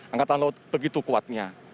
angkatan laut begitu kuatnya